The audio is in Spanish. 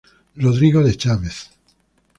Rodrigo de Chávez.